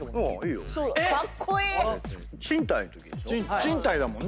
賃貸だもんね。